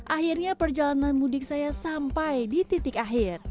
akhirnya perjalanan mudik saya sampai di titik akhir